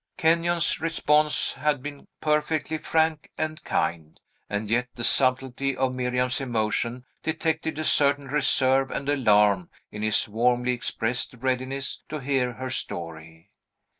Kenyon's response had been perfectly frank and kind; and yet the subtlety of Miriam's emotion detected a certain reserve and alarm in his warmly expressed readiness to hear her story.